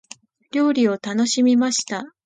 料理を楽しみました。